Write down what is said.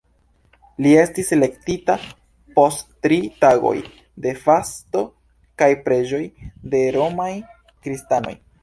Li estis elektita post tri tagoj de fasto kaj preĝoj de romaj kristanoj.